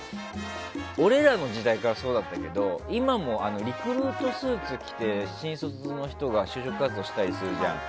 俺らの時代からそうだったけど今、リクルートスーツ着て新卒の人が就職活動したりするじゃん。